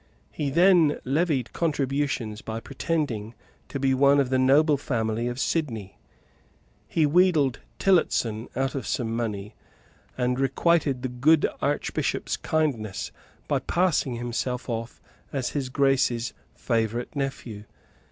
He then levied contributions by pretending to be one of the noble family of Sidney. He wheedled Tillotson out of some money, and requited the good Archbishop's kindness by passing himself off as His Grace's favourite nephew.